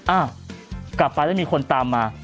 อ้าปไปแล้วมีคนตามมา